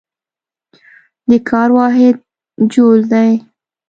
د کار واحد جول دی.